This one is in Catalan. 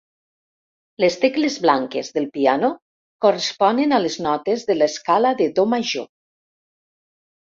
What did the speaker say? Les tecles blanques del piano corresponen a les notes de l'escala de do major.